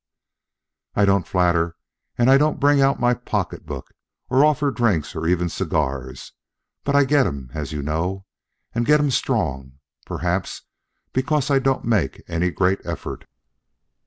"I don't flatter and I don't bring out my pocketbook or offer drinks or even cigars, but I get 'em, as you know, and get 'em strong, perhaps because I don't make any great effort.